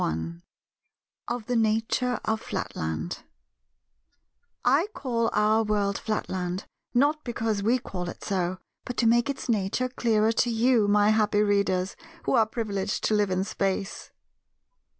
§ 1 Of the Nature of Flatland I call our world Flatland, not because we call it so, but to make its nature clearer to you, my happy readers, who are privileged to live in Space.